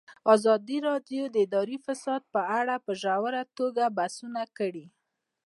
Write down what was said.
ازادي راډیو د اداري فساد په اړه په ژوره توګه بحثونه کړي.